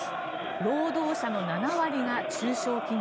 労働者の７割が中小企業。